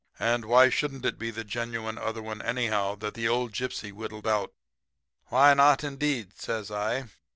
And why shouldn't it be the genuine other one, anyhow, that the old gypsy whittled out?' "'Why not, indeed?' says I.